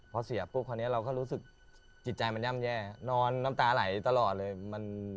พอเสียปุ๊บคราวนี้เราก็รู้สึกจิตใจมันย่ำแย่นอนน้ำตาไหลตลอดเลย